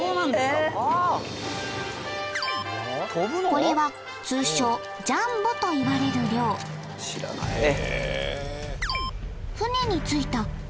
これは通称ジャンボといわれる漁果たして？